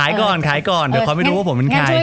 ก่อนขายก่อนเดี๋ยวเขาไม่รู้ว่าผมเป็นใคร